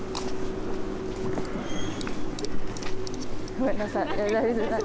ごめんなさい。